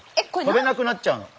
飛べなくなっちゃうの。